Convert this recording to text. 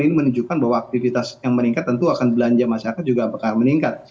ini menunjukkan bahwa aktivitas yang meningkat tentu akan belanja masyarakat juga apakah meningkat